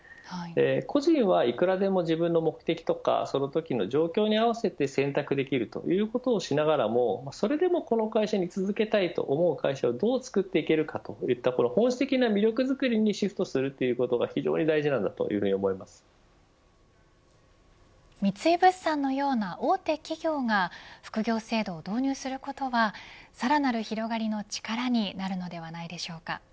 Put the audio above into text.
個人はいくらでも自分の目的とかそのときの状況に合わせて選択できるということをしながらもそれでもこの会社に居続けたい、と思う会社をどうつくっていけるかといった本質的な魅力づくりにシフトすることが三井物産のような大手企業が副業制度を導入することはさらなる広がりの力になるのではないでしょうか。